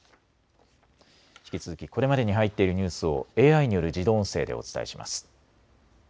引き続きこれまでに入っているニュースをＡＩによる自動音声でお伝えします。